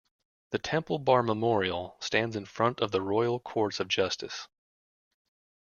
The Temple Bar Memorial stands in front of the Royal Courts of Justice.